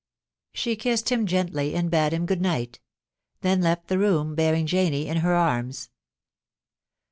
She kissed him gently, and bade him good night; then left the room, bearing Janie in her arms.